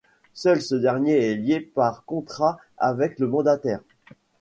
Seul ce dernier est lié par contrat avec le mandataire.